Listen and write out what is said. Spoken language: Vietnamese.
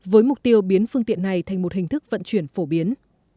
với mục tiêu biến phương tiện này thành một hình thức vận chuyển phổ biến